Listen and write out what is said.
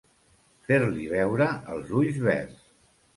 Fer-li veure els ulls verds.